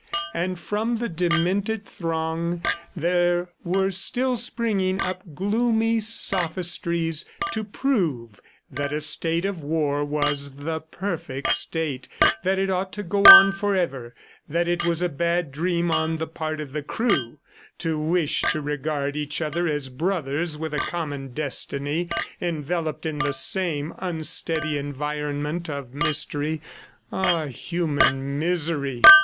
And from the demented throng there were still springing up gloomy sophistries to prove that a state of war was the perfect state, that it ought to go on forever, that it was a bad dream on the part of the crew to wish to regard each other as brothers with a common destiny, enveloped in the same unsteady environment of mystery. ... Ah, human misery!